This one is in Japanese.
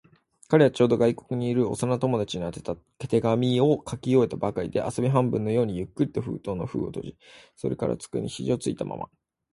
彼はちょうど、外国にいる幼な友達に宛てた手紙を書き終えたばかりで、遊び半分のようにゆっくりと封筒の封をし、それから机に肘ひじをついたまま、